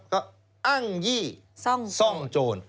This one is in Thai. ก็อ้างยี่ซ่องโจร